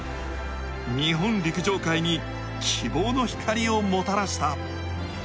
日本陸上界に、希望の光をもたらした。